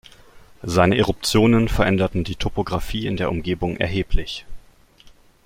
Seine Eruptionen veränderten die Topographie in der Umgebung erheblich.